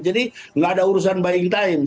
jadi tidak ada urusan buying time